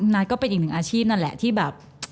นัทก็เป็นอีกหนึ่งอาชีพนั่นแหละที่แบบ